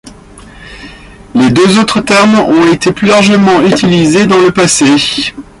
Les deux autres termes ont été plus largement utilisés dans le passé.